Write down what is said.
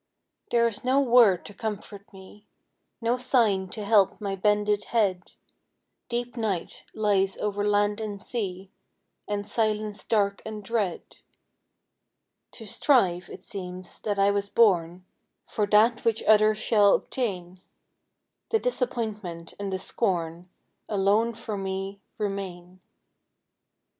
There is no word to comfort me; No sign to help my bended head; Deep night lies over land and sea, And silence dark and dread. To strive, it seems, that I was born, For that which others shall obtain; The disappointment and the scorn Alone for me remain.